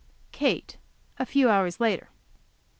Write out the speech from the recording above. Kate, a few hours later.